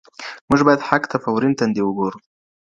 موږ باید حق ته په ورین تندي وګورو.